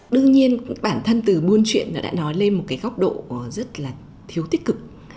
đương nhiên bản thân từ buôn chuyện nó đã nói lên một cái góc độ rất là thiếu tích cực